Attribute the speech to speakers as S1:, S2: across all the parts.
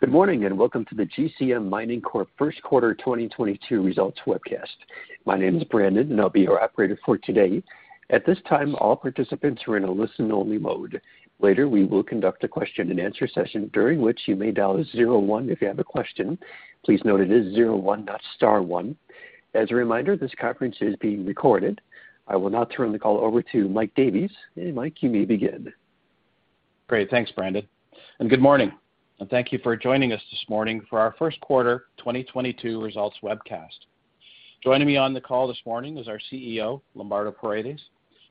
S1: Good morning, and welcome to the GCM Mining Corp. first quarter 2022 results webcast. My name is Brandon, and I'll be your operator for today. At this time, all participants are in a listen-only mode. Later, we will conduct a question-and-answer session during which you may dial zero one if you have a question. Please note it is zero one, not star one. As a reminder, this conference is being recorded. I will now turn the call over to Mike Davies. Mike, you may begin.
S2: Great. Thanks, Brandon. Good morning, and thank you for joining us this morning for our first quarter 2022 results webcast. Joining me on the call this morning is our CEO, Lombardo Paredes.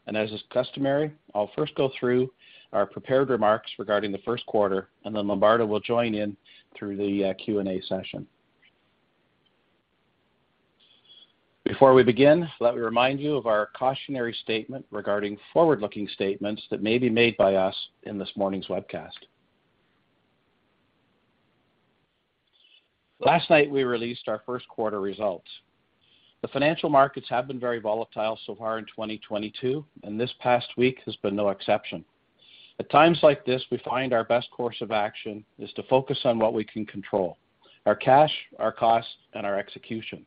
S2: As is customary, I'll first go through our prepared remarks regarding the first quarter, and then Lombardo will join in through the Q&A session. Before we begin, let me remind you of our cautionary statement regarding forward-looking statements that may be made by us in this morning's webcast. Last night, we released our first quarter results. The financial markets have been very volatile so far in 2022, and this past week has been no exception. At times like this, we find our best course of action is to focus on what we can control, our cash, our costs, and our execution.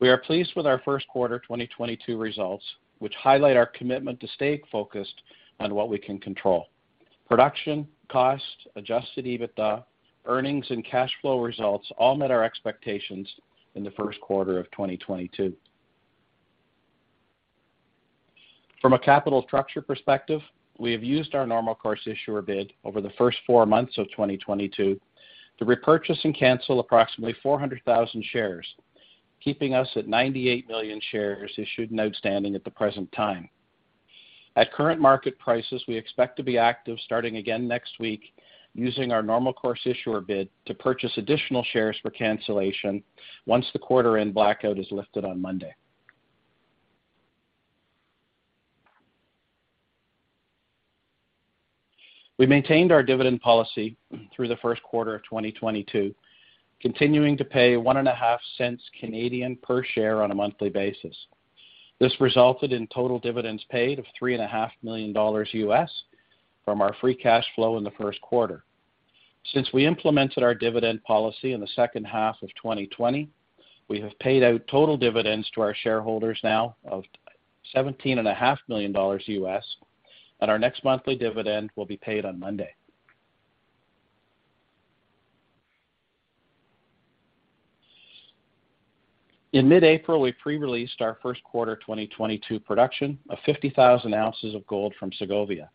S2: We are pleased with our first quarter 2022 results, which highlight our commitment to staying focused on what we can control. Production, cost, adjusted EBITDA, earnings, and cash flow results all met our expectations in the first quarter of 2022. From a capital structure perspective, we have used our Normal Course Issuer Bid over the first four months of 2022 to repurchase and cancel approximately 400,000 shares, keeping us at 98 million shares issued and outstanding at the present time. At current market prices, we expect to be active starting again next week using our Normal Course Issuer Bid to purchase additional shares for cancellation once the quarter-end blackout is lifted on Monday. We maintained our dividend policy through the first quarter of 2022, continuing to pay 0.015 per share on a monthly basis. This resulted in total dividends paid of $3.5 million from our free cash flow in the first quarter. Since we implemented our dividend policy in the second half of 2020, we have paid out total dividends to our shareholders now of $17.5 million, and our next monthly dividend will be paid on Monday. In mid-April, we pre-released our first quarter 2022 production of 50,000 ounces of gold from Segovia.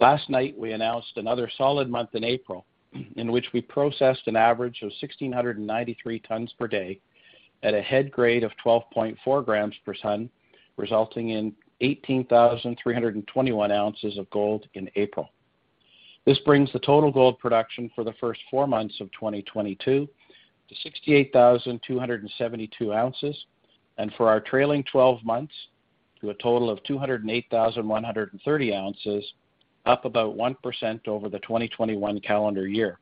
S2: Last night, we announced another solid month in April, in which we processed an average of 1,693 tons per day at a head grade of 12.4 grams per ton, resulting in 18,321 ounces of gold in April. This brings the total gold production for the first four months of 2022 to 68,272 ounces, and for our trailing twelve months to a total of 208,130 ounces, up about 1% over the 2021 calendar year.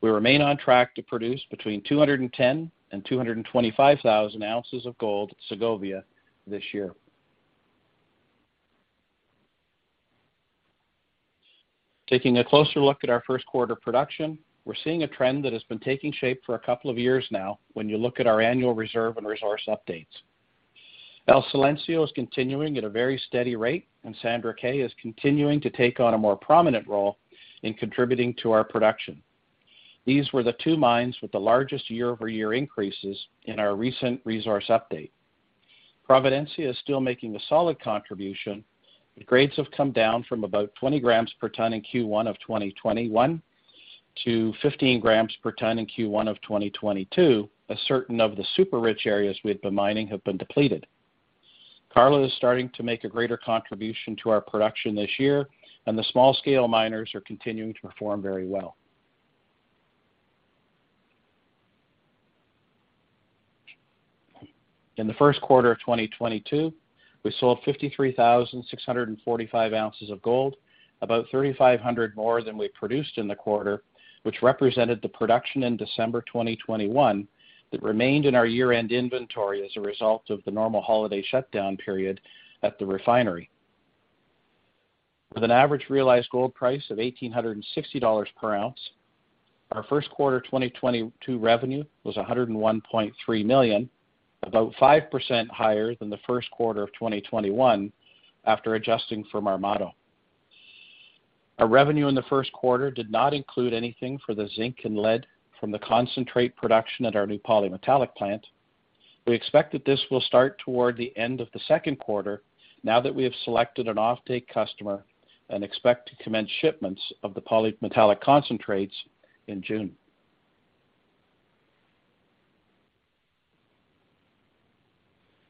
S2: We remain on track to produce between 210,000 and 225,000 ounces of gold at Segovia this year. Taking a closer look at our first quarter production, we're seeing a trend that has been taking shape for a couple of years now when you look at our annual reserve and resource updates. El Silencio is continuing at a very steady rate, and Sandra K. is continuing to take on a more prominent role in contributing to our production. These were the two mines with the largest year-over-year increases in our recent resource update. Providencia is still making a solid contribution, but grades have come down from about 20 grams per ton in Q1 of 2021 to 15 grams per ton in Q1 of 2022, as certain of the super-rich areas we had been mining have been depleted. Carla is starting to make a greater contribution to our production this year, and the small scale miners are continuing to perform very well. In the first quarter of 2022, we sold 53,645 ounces of gold, about 3,500 more than we produced in the quarter, which represented the production in December 2021 that remained in our year-end inventory as a result of the normal holiday shutdown period at the refinery. With an average realized gold price of $1,860 per ounce, our first quarter 2022 revenue was $101.3 million, about 5% higher than the first quarter of 2021 after adjusting from our model. Our revenue in the first quarter did not include anything for the zinc and lead from the concentrate production at our new polymetallic plant. We expect that this will start toward the end of the second quarter now that we have selected an offtake customer and expect to commence shipments of the polymetallic concentrates in June.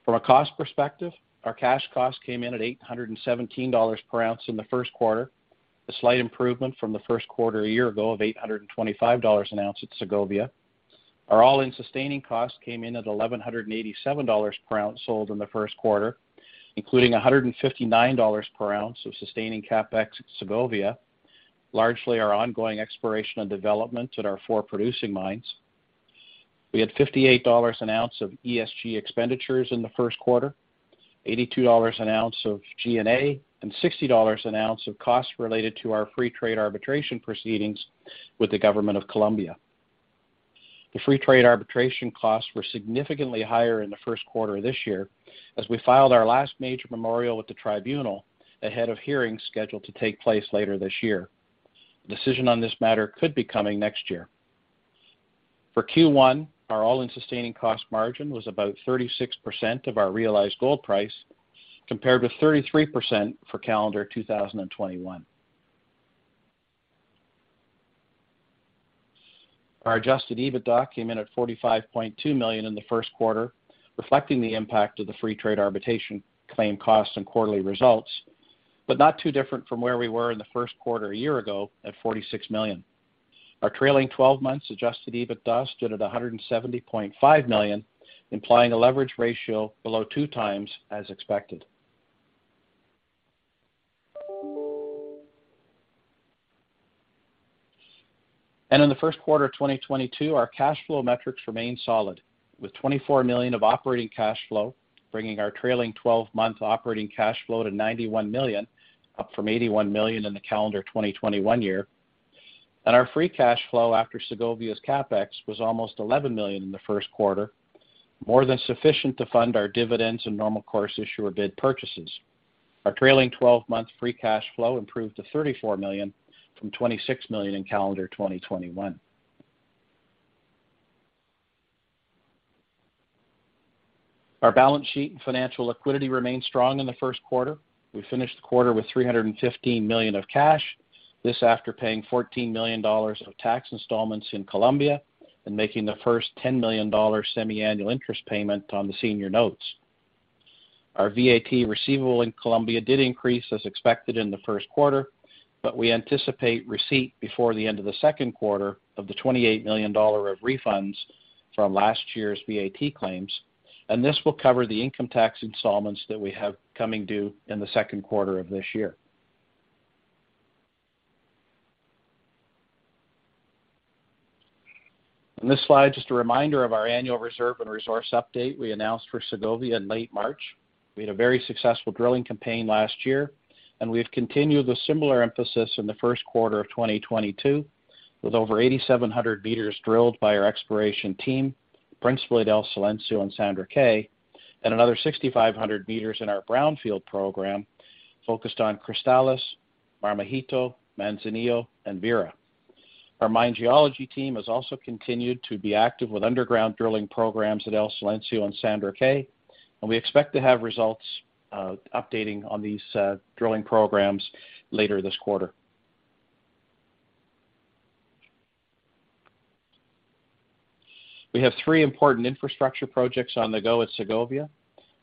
S2: From a cost perspective, our cash cost came in at $817 per ounce in the first quarter, a slight improvement from the first quarter a year ago of $825 an ounce at Segovia. Our all-in sustaining cost came in at $1,187 per ounce sold in the first quarter, including $159 per ounce of sustaining CapEx at Segovia, largely our ongoing exploration and development at our four producing mines. We had $58 an ounce of ESG expenditures in the first quarter, $82 an ounce of G&A, and $60 an ounce of costs related to our free trade arbitration proceedings with the government of Colombia. The free trade arbitration costs were significantly higher in the first quarter this year as we filed our last major memorial with the tribunal ahead of hearings scheduled to take place later this year. The decision on this matter could be coming next year. For Q1, our all-in sustaining cost margin was about 36% of our realized gold price, compared with 33% for calendar 2021. Our adjusted EBITDA came in at $45.2 million in the first quarter, reflecting the impact of the free trade arbitration claim costs and quarterly results, but not too different from where we were in the first quarter a year ago at $46 million. Our trailing twelve months adjusted EBITDA stood at $170.5 million, implying a leverage ratio below 2x as expected. In the first quarter of 2022, our cash flow metrics remained solid, with $24 million of operating cash flow, bringing our trailing twelve-month operating cash flow to $91 million, up from $81 million in the calendar 2021 year. Our free cash flow after Segovia's CapEx was almost $11 million in the first quarter, more than sufficient to fund our dividends and normal course issuer bid purchases. Our trailing twelve-month free cash flow improved to $34 million from $26 million in calendar 2021. Our balance sheet and financial liquidity remained strong in the first quarter. We finished the quarter with $315 million of cash. This, after paying $14 million of tax installments in Colombia and making the first $10 million semi-annual interest payment on the senior notes. Our VAT receivable in Colombia did increase as expected in the first quarter, but we anticipate receipt before the end of the second quarter of the $28 million of refunds from last year's VAT claims, and this will cover the income tax installments that we have coming due in the second quarter of this year. On this slide, just a reminder of our annual reserve and resource update we announced for Segovia in late March. We had a very successful drilling campaign last year, and we've continued the similar emphasis in the first quarter of 2022, with over 8,700 meters drilled by our exploration team, principally at El Silencio and Sandra K, and another 6,500 meters in our brownfield program focused on Cristales, Marmajito, Manzanillo, and Vera. Our mine geology team has also continued to be active with underground drilling programs at El Silencio and Sandra K, and we expect to have results updating on these drilling programs later this quarter. We have three important infrastructure projects on the go at Segovia.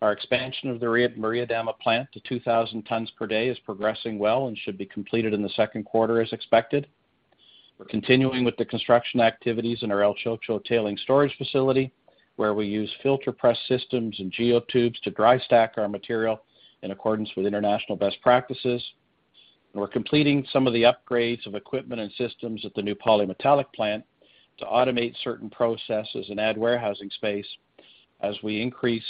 S2: Our expansion of the Maria Dama plant to 2,000 tons per day is progressing well and should be completed in the second quarter as expected. We're continuing with the construction activities in our El Choco tailings storage facility, where we use filter press systems and geotubes to dry stack our material in accordance with international best practices. We're completing some of the upgrades of equipment and systems at the new polymetallic plant to automate certain processes and add warehousing space as we increase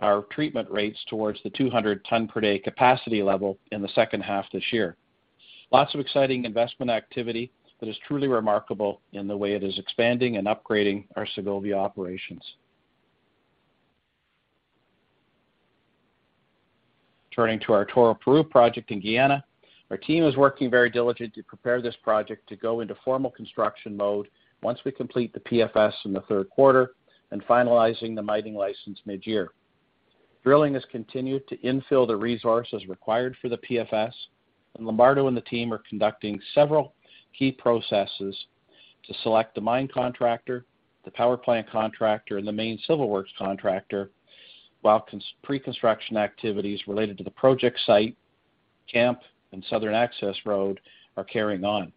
S2: our treatment rates towards the 200 tons per day capacity level in the second half this year. Lots of exciting investment activity that is truly remarkable in the way it is expanding and upgrading our Segovia Operations. Turning to our Toroparu project in Guyana. Our team is working very diligently to prepare this project to go into formal construction mode once we complete the PFS in the third quarter and finalizing the mining license mid-year. Drilling has continued to infill the resources required for the PFS, and Lombardo and the team are conducting several key processes to select the mine contractor, the power plant contractor, and the main civil works contractor, while pre-construction activities related to the project site, camp, and southern access road are carrying on.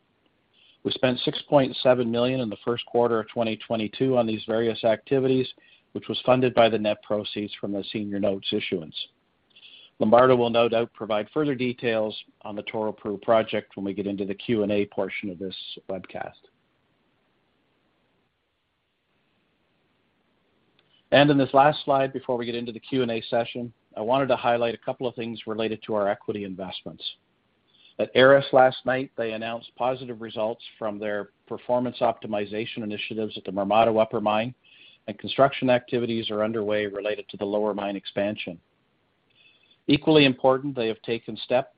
S2: We spent $6.7 million in the first quarter of 2022 on these various activities, which was funded by the net proceeds from the senior notes issuance. Lombardo will no doubt provide further details on the Toroparu project when we get into the Q&A portion of this webcast. In this last slide, before we get into the Q&A session, I wanted to highlight a couple of things related to our equity investments. At Aris Mining last night, they announced positive results from their performance optimization initiatives at the Marmato Upper Mine, and construction activities are underway related to the Lower Mine expansion. Equally important, they have taken steps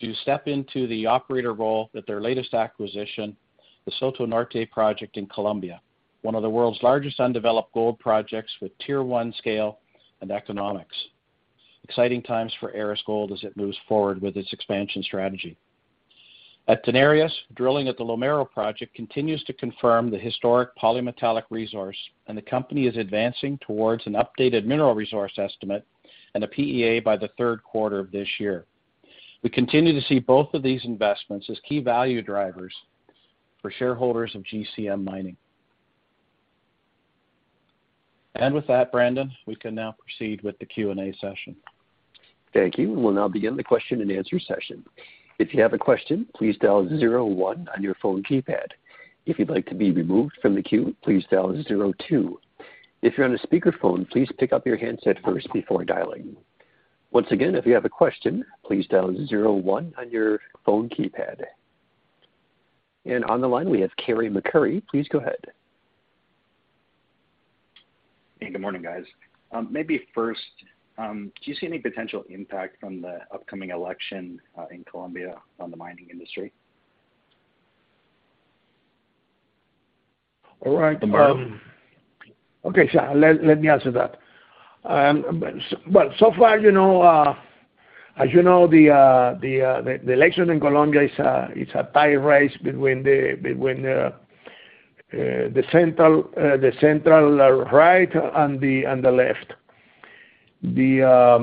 S2: to step into the operator role at their latest acquisition, the Soto Norte project in Colombia, one of the world's largest undeveloped gold projects with tier one scale and economics. Exciting times for Aris Gold as it moves forward with its expansion strategy. At Denarius Metals, drilling at the Lomero Project continues to confirm the historic polymetallic resource, and the company is advancing towards an updated mineral resource estimate and a PEA by the third quarter of this year. We continue to see both of these investments as key value drivers for shareholders of GCM Mining. With that, Brandon, we can now proceed with the Q&A session.
S1: Thank you. We'll now begin the question-and-answer session. If you have a question, please dial zero one on your phone keypad. If you'd like to be removed from the queue, please dial zero two. If you're on a speakerphone, please pick up your handset first before dialing. Once again, if you have a question, please dial zero one on your phone keypad. On the line, we have Carey MacRury. Please go ahead.
S3: Hey, good morning, guys. Maybe first, do you see any potential impact from the upcoming election in Colombia on the mining industry?
S4: All right. Okay. Let me answer that. So far, you know, as you know, the election in Colombia is a tight race between the center right and the left. We're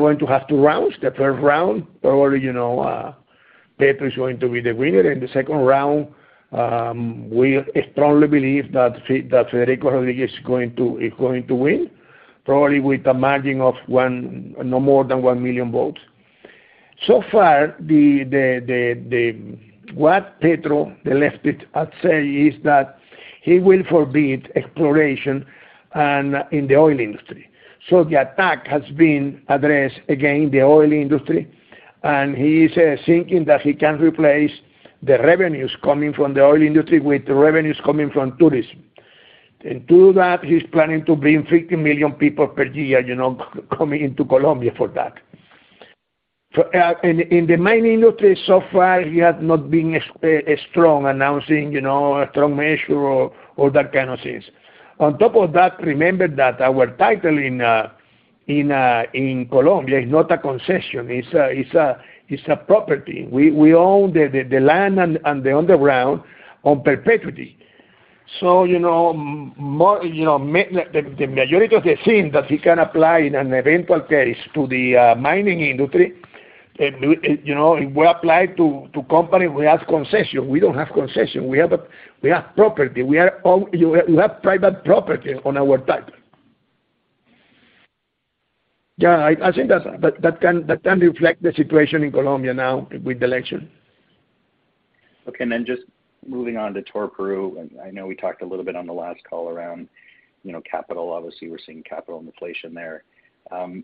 S4: going to have two rounds. The first round probably, you know, Petro is going to be the winner. In the second round, we strongly believe that Federico is going to win, probably with a margin of one, no more than one million votes. So far, what Petro, the leftist, has said is that he will forbid exploration and in the oil industry. Petro has been attacking the oil industry, and he is thinking that he can replace the revenues coming from the oil industry with revenues coming from tourism. To that, he's planning to bring 50 million people per year, you know, coming into Colombia for that. In the mining industry, so far he has not been strong announcing, you know, a strong measure or that kind of things. On top of that, remember that our title in Colombia is not a concession. It's a property. We own the land and the underground in perpetuity. You know, more, you know, the majority of the thing that he can apply in an eventual case to the mining industry, you know, it will apply to company who have concession. We don't have concession. We have property. We have private property on our title. Yeah, I think that can reflect the situation in Colombia now with the election.
S3: Okay. Just moving on to Toroparu. I know we talked a little bit on the last call around, you know, capital. Obviously, we're seeing capital inflation there.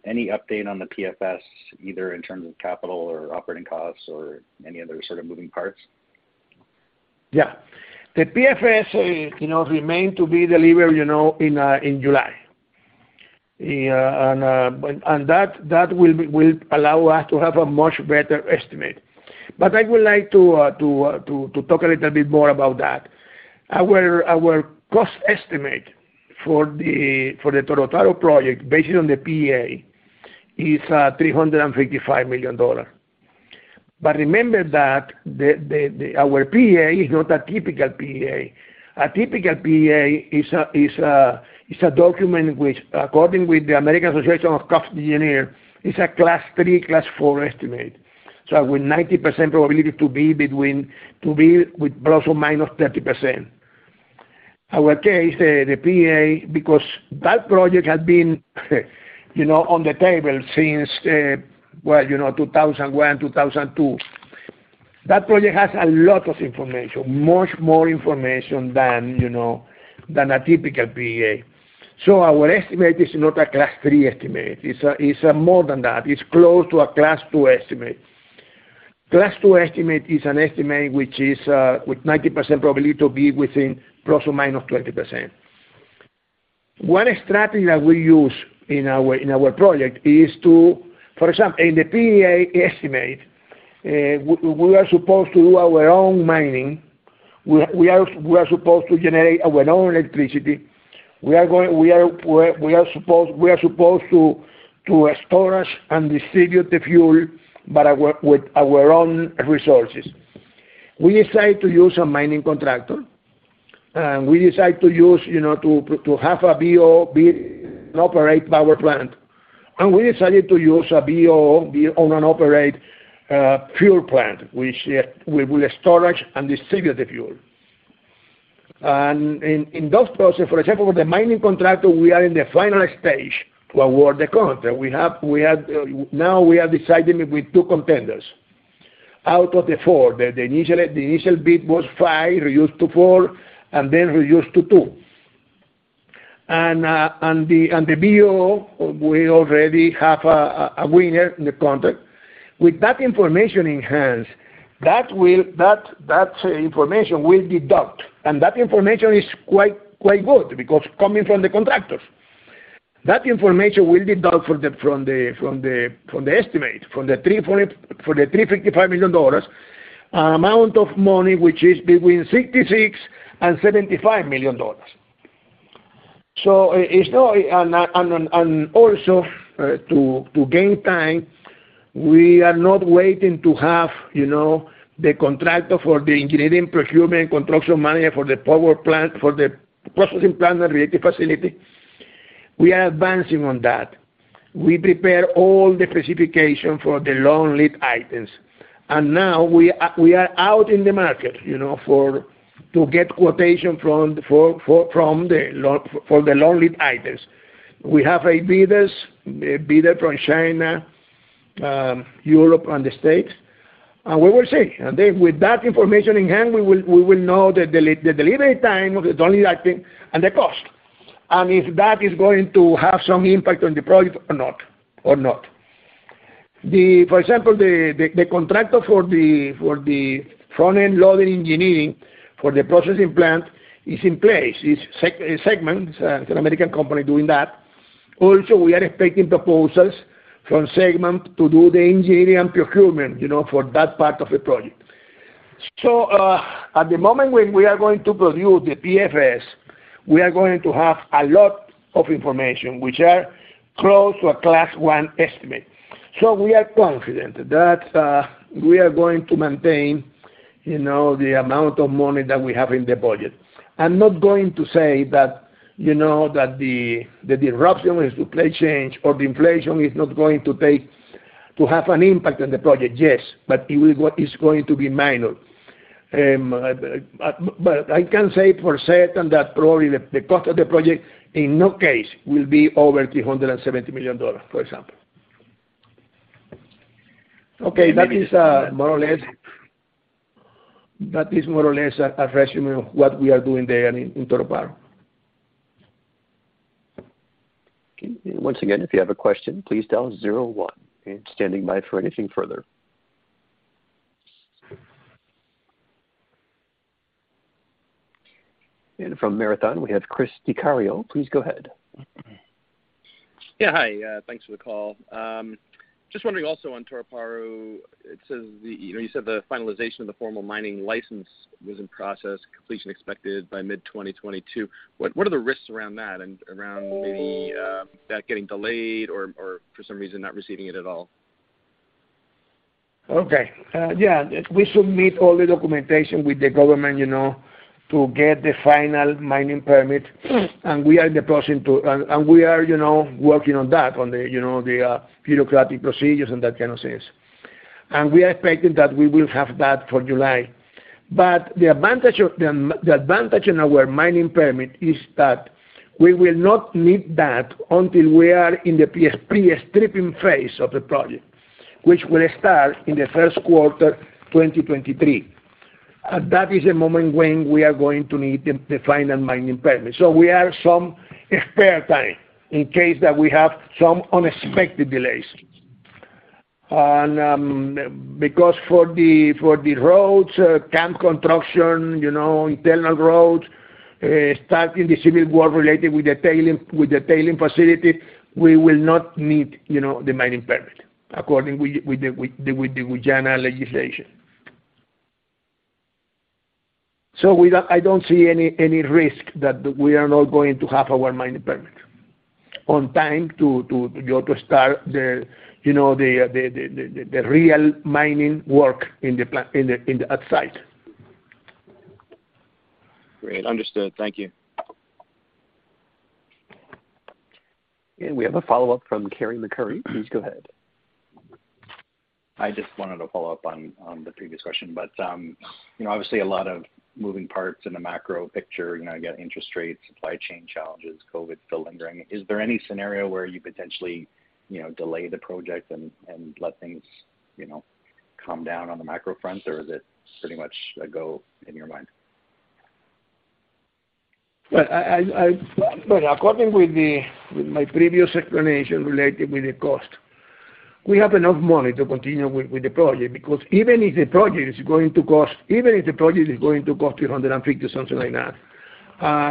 S3: Any update on the PFS, either in terms of capital or operating costs or any other sort of moving parts?
S4: Yeah. The PFS, you know, remain to be delivered, you know, in July. Yeah. That will allow us to have a much better estimate. I would like to talk a little bit more about that. Our cost estimate for the Toroparu project, based on the PEA, is $355 million. Remember that our PEA is not a typical PEA. A typical PEA is a document which, according to the American Association of Cost Engineers, is a Class 3, Class 4 estimate. So with 90% probability to be ±30%. Our case, the PEA, because that project had been, you know, on the table since 2001, 2002. That project has a lot of information, much more information than, you know, than a typical PEA. Our estimate is not a Class 3 estimate. It's more than that. It's close to a Class 2 estimate. Class 2 estimate is an estimate which is with 90% probability to be within ±20%. One strategy that we use in our project is to, for example, in the PEA estimate, we are supposed to do our own mining. We are supposed to generate our own electricity. We are supposed to store and distribute the fuel with our own resources. We decide to use a mining contractor, and we decide to use a BOO build and operate power plant. We decided to use a BOO, build own and operate, fuel plant, which we store and distribute the fuel. In those processes, for example, the mining contractor, we are in the final stage to award the contract. Now we are deciding with two contenders. Out of the four, the initial bid was 5. Reduced to 4, and then reduced to 2. The BOO, we already have a winner in the contract. With that information in hand, that information will dictate. That information is quite good because coming from the contractors. That information will deduct from the estimate, from the $355 million, an amount of money which is between $66 million and $75 million. Also, to gain time, we are not waiting to have, you know, the contractor for the Engineering, Procurement, and Construction Manager for the power plant, for the processing plant and related facility. We are advancing on that. We prepare all the specifications for the long-lead items. Now we are out in the market, you know, to get quotations from the long-lead items. We have bidders, a bidder from China, Europe, and the States. We will see. With that information in hand, we will know the delivery time of the long-lead item and the cost. If that is going to have some impact on the project or not. For example, the contractor for the front-end loading engineering for the processing plant is in place. It's Segment. It's an American company doing that. Also, we are expecting proposals from Segment to do the engineering procurement, you know, for that part of the project. At the moment when we are going to produce the PFS, we are going to have a lot of information which are close to a Class 1 estimate. We are confident that we are going to maintain, you know, the amount of money that we have in the budget. I'm not going to say that, you know, that the disruption with supply chain or the inflation is not going to have an impact on the project. Yes. It's going to be minor. I can say for certain that probably the cost of the project in no case will be over $370 million, for example. Okay. That is more or less a résumé of what we are doing there in Toroparu.
S1: Okay. Once again, if you have a question, please dial zero one. Standing by for anything further. From Marathon, we have Chris Dicario. Please go ahead.
S5: Yeah. Hi. Thanks for the call. Just wondering also on Toroparu. It says you know, you said the finalization of the formal mining license was in process, completion expected by mid-2022. What are the risks around that and around maybe that getting delayed or for some reason not receiving it at all?
S4: Okay. Yeah. We submit all the documentation with the government, you know, to get the final mining permit. We are in the process. We are, you know, working on that. On the, you know, the bureaucratic procedures and that kind of things. We are expecting that we will have that for July. But the advantage in our mining permit is that we will not need that until we are in the pre-stripping phase of the project, which will start in the first quarter 2023. That is the moment when we are going to need the final mining permit. We have some spare time in case that we have some unexpected delays. Because for the roads, camp construction, you know, internal roads, starting the civil work related with the tailings facility, we will not need, you know, the mining permit according to the Guyana legislation. I don't see any risk that we are not going to have our mining permit on time to go to start the, you know, the real mining work on site.
S5: Great. Understood. Thank you.
S1: We have a follow-up from Carey MacRury. Please go ahead.
S3: I just wanted to follow up on the previous question. You know, obviously a lot of moving parts in the macro picture. You know, you got interest rates, supply chain challenges, COVID still lingering. Is there any scenario where you potentially, you know, delay the project and let things, you know, calm down on the macro front? Is it pretty much a go in your mind?
S4: Well, according to my previous explanation related to the cost. We have enough money to continue with the project because even if the project is going to cost $350, something like that,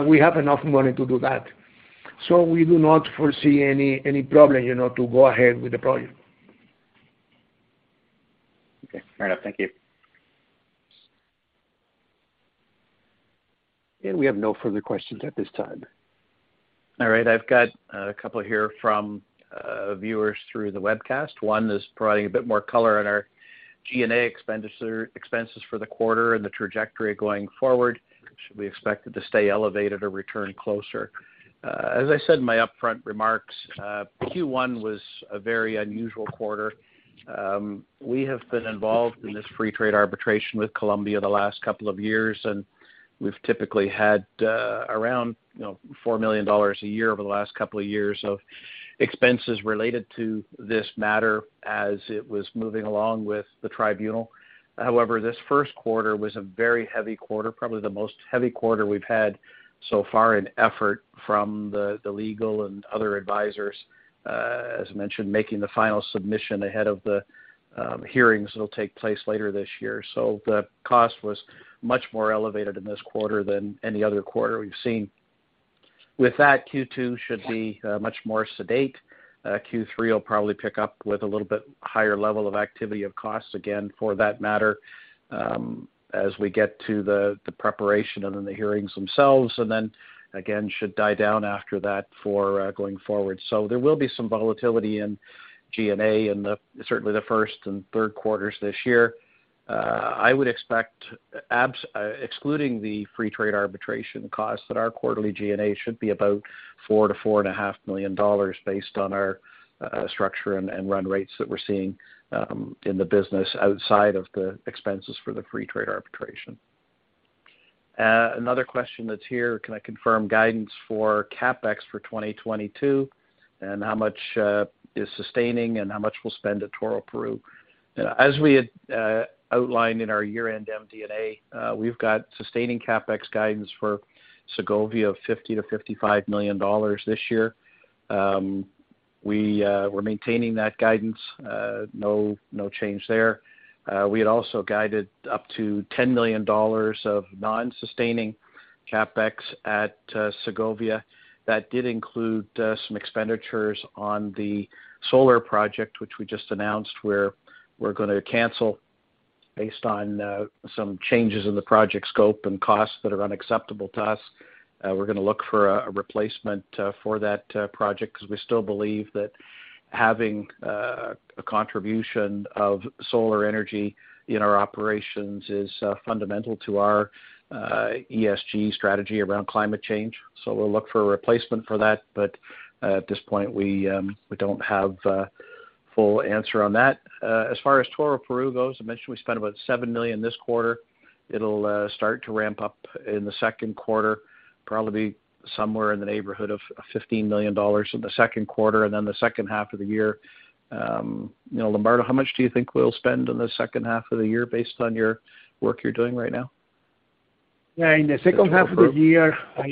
S4: we have enough money to do that. We do not foresee any problem, you know, to go ahead with the project.
S3: Okay. Fair enough. Thank you.
S1: We have no further questions at this time.
S2: All right. I've got a couple here from viewers through the webcast. One is providing a bit more color on our G&A expenditures, expenses for the quarter and the trajectory going forward. Should we expect it to stay elevated or return closer? As I said in my upfront remarks, Q1 was a very unusual quarter. We have been involved in this free trade arbitration with Colombia the last couple of years, and we've typically had, around, you know, $4 million a year over the last couple of years of expenses related to this matter as it was moving along with the tribunal. However, this first quarter was a very heavy quarter. Probably the most heavy quarter we've had so far in effort from the legal and other advisors, as mentioned, making the final submission ahead of the hearings that'll take place later this year. The cost was much more elevated in this quarter than any other quarter we've seen. With that, Q2 should be much more sedate. Q3 will probably pick up with a little bit higher level of activity of costs again for that matter, as we get to the preparation and then the hearings themselves. Again should die down after that for going forward. There will be some volatility in G&A, certainly in the first and third quarters this year. I would expect, excluding the free trade arbitration costs, that our quarterly G&A should be about $4-$4.5 million based on our structure and run rates that we're seeing in the business outside of the expenses for the free trade arbitration. Another question that's here, can I confirm guidance for CapEx for 2022, and how much is sustaining and how much we'll spend at Toroparu? As we had outlined in our year-end MD&A, we've got sustaining CapEx guidance for Segovia of $50-$55 million this year. We're maintaining that guidance, no change there. We had also guided up to $10 million of non-sustaining CapEx at Segovia. That did include some expenditures on the solar project, which we just announced, where we're gonna cancel based on some changes in the project scope and costs that are unacceptable to us. We're gonna look for a replacement for that project, 'cause we still believe that having a contribution of solar energy in our operations is fundamental to our ESG strategy around climate change. We'll look for a replacement for that. At this point, we don't have a full answer on that. As far as Toroparu goes, I mentioned we spent about $7 million this quarter. It'll start to ramp up in the second quarter, probably somewhere in the neighborhood of $15 million in the second quarter and then the second half of the year. you know, Lombardo, how much do you think we'll spend in the second half of the year based on your work you're doing right now?
S4: Yeah, in the second half of the year, I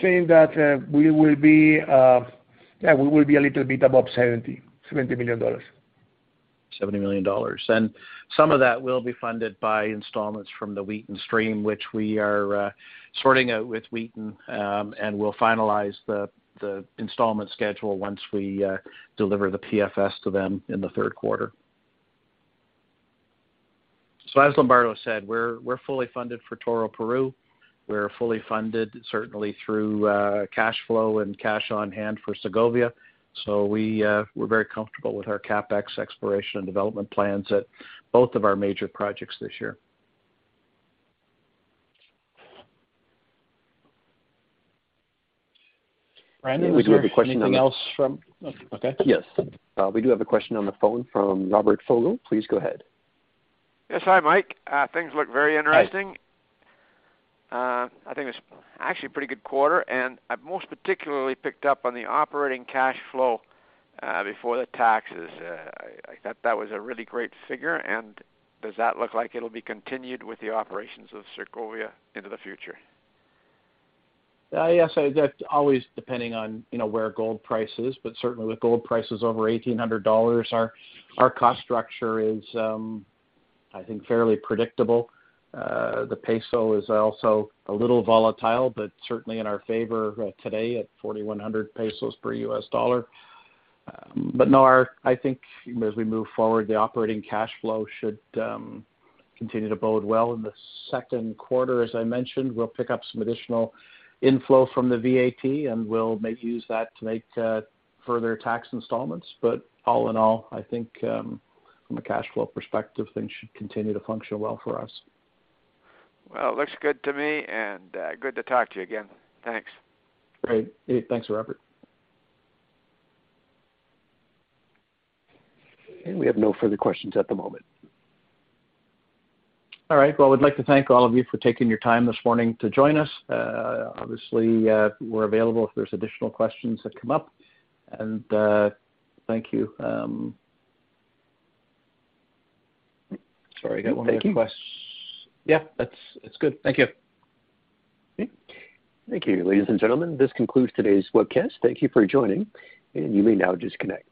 S4: think that we will be a little bit above $70 million.
S2: $70 million. Some of that will be funded by installments from the Wheaton stream, which we are sorting out with Wheaton, and we'll finalize the installment schedule once we deliver the PFS to them in the third quarter. As Lombardo said, we're fully funded for Toroparu. We're fully funded, certainly through cash flow and cash on hand for Segovia. We're very comfortable with our CapEx exploration and development plans at both of our major projects this year. Brandon, is there anything else from-
S1: We do have a question on the.
S2: Okay.
S1: Yes. We do have a question on the phone from Robert Metcalfe. Please go ahead.
S6: Yes. Hi, Mike. Things look very interesting.
S2: Hi.
S6: I think it's actually a pretty good quarter, and I've most particularly picked up on the operating cash flow before the taxes. I thought that was a really great figure. Does that look like it'll be continued with the operations of Segovia into the future?
S2: Yes. That's always depending on, you know, where gold price is, but certainly with gold prices over $1,800, our cost structure is, I think fairly predictable. The peso is also a little volatile, but certainly in our favor, today at 4,100 COP per US dollar. I think as we move forward, the operating cash flow should continue to bode well. In the second quarter, as I mentioned, we'll pick up some additional inflow from the VAT, and we'll make use of that to make further tax installments. All in all, I think, from a cash flow perspective, things should continue to function well for us.
S6: Well, it looks good to me and, good to talk to you again. Thanks.
S2: Great. Thanks, Robert.
S1: We have no further questions at the moment.
S2: All right. Well, I'd like to thank all of you for taking your time this morning to join us. Obviously, we're available if there's additional questions that come up. Thank you.
S1: Sorry, I got one more question.
S2: Thank you.
S1: Yeah, that's good. Thank you.
S2: Okay.
S1: Thank you, ladies and gentlemen. This concludes today's webcast. Thank you for joining, and you may now disconnect.